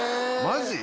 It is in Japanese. マジ？